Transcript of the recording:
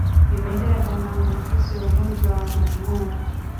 Vimelea vya maambukizi ya ugonjwa wa majimoyo